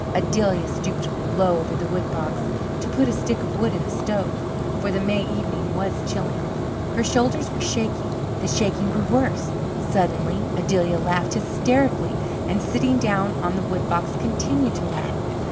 Adelia stooped low over the woodbox to put a stick of wood in the stove, for the May evening was chilly. Her shoulders were shaking; the shaking grew worse; suddenly Adelia laughed hysterically and, sitting down on the woodbox, continued to laugh.